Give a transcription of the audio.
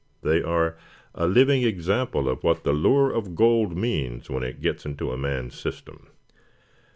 They are a living example of what the lure of gold means when it gets into a man's system.